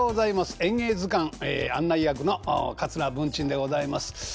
「演芸図鑑」案内役の桂文珍でございます。